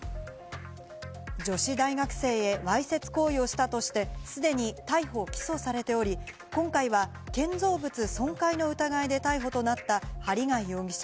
女子大学生へわいせつ行為をしたとして、すでに逮捕・起訴されており、今回は建造物損壊の疑いで逮捕となった針谷容疑者。